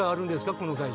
この会社。